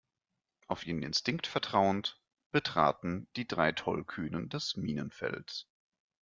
Auf ihren Instinkt vertrauend betraten die drei Tollkühnen das Minenfeld.